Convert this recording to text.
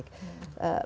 kata nada spike